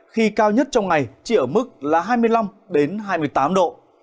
khi cao nhất trong ngày chỉ ở mức là hai mươi năm hai mươi tám độ